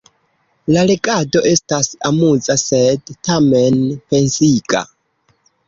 La legado estas amuza sed, tamen, pensiga.